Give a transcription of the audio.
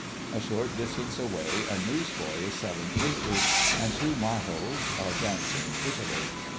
A short distance away a newsboy is selling papers, and two Majos are dancing prettily.